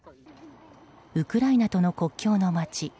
ウクライナとの国境の街